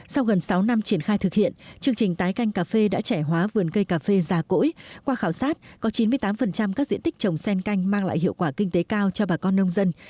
sau gần sáu năm triển khai thực hiện chương trình tái canh cà phê đã trẻ hóa vườn cây cà phê già cỗi qua khảo sát có chín mươi tám các diện tích trồng sen canh mang lại hiệu quả kinh tế cao cho bà con nông dân